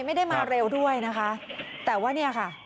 ไม่ได้มาเร็วด้วยนะคะแต่ว่าเนี่ยค่ะ